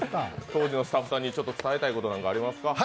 当時のスタッフさんに伝えたいことなんかありますか？